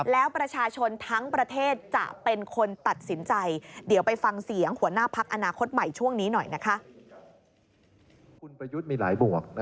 แล้วประชาชนทั้งประเทศจะเป็นคนตัดสินใจ